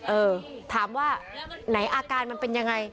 เออถามว่าไหนอาการมันเป็นยังไง